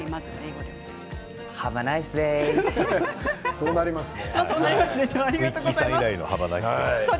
そうなりますね。